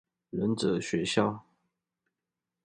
忍者學校